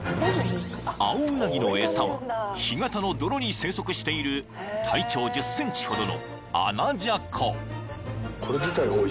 ［青うなぎの餌は干潟の泥に生息している体長１０ｃｍほどのアナジャコ］